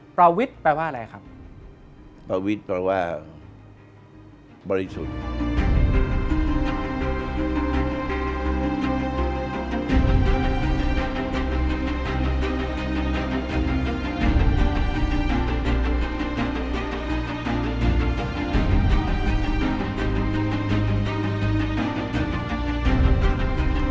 ประวิทย์แปลว่าอะไรครับประวิทย์แปลว่าบริสุทธิ์